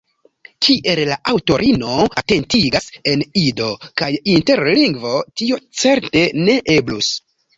Kiel la aŭtorino atentigas, en Ido kaj Interlingvo tio certe ne eblus.